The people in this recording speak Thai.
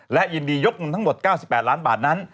และยินดียกเงินทั้งหมด๙๘ล้านบาทนั้น